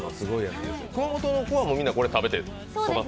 熊本の子は、みんなこれを食べて育ったんだ？